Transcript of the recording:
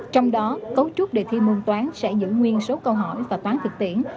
trong đó cấu trúc đề thi môn toán sẽ giữ nguyên số câu hỏi và toán thực tiễn